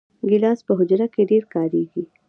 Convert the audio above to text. ګیلاس په حجره کې ډېر کارېږي.